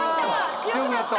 強くなった！